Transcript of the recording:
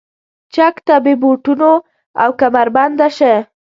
چک ته بې بوټونو او کمربنده شه.